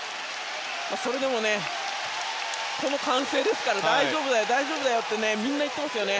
それでもこの歓声ですから大丈夫だよ、大丈夫だよとみんな言っていますよね。